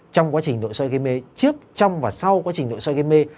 trong quá trình nội soi gây mê trước trong và sau quá trình nội soi gây mê